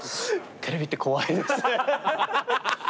テレビって怖いですね。